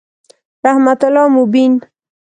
رحمت الله مبین